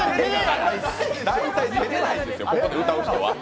大体、照れないですよ、ここで歌う人は。